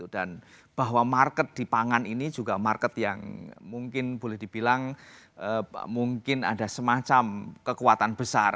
dan bahwa market di pangan ini juga market yang mungkin boleh dibilang mungkin ada semacam kekuatan besar